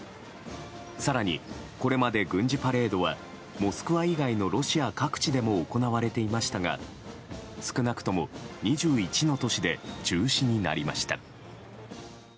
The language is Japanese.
更にこれまで軍事パレードはモスクワ以外のロシア各地でも行われていましたが少なくとも２１の都市で中止になりました。